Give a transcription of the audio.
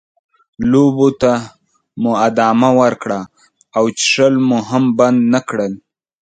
لوبې ته مو ادامه ورکړه او څښل مو هم بند نه کړل.